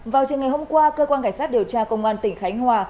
vào chiều ngày hôm qua cơ quan cảnh sát điều tra công an tỉnh khánh hòa